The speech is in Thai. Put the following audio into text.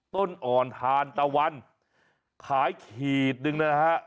ต้นอ่อนทานตะวันขายขีดหนึ่งนะฮะ